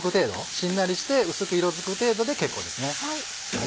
しんなりして薄く色づく程度で結構ですね。